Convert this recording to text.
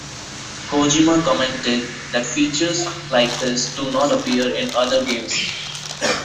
Kojima commented that features like this do not appear in other games.